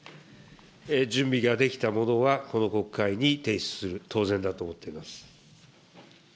準備ができたものはこの国会に提出する、当然だと思っています。